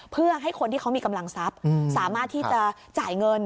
เพื่อให้คนที่เขามีกำลังทรัพย์สามารถที่จะจ่ายเงิน